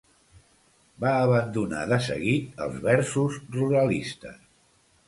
Va abandonar de seguit els versos ruralistes